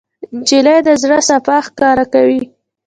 نجلۍ د زړه صفا ښکاره کوي.